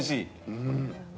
うん。